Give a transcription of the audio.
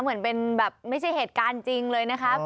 เหมือนเป็นแบบไม่ใช่เหตุการณ์จริงเลยนะครับ